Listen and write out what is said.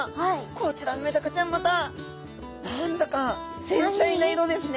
こちらのメダカちゃんまた何だか繊細な色ですね。